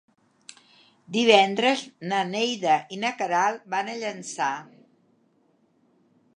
Divendres na Neida i na Queralt van a Llançà.